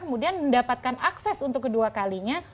kemudian mendapatkan akses untuk kedua kalinya